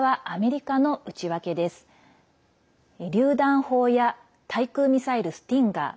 りゅう弾砲や対空ミサイル「スティンガー」。